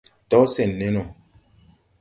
Do sen ne no :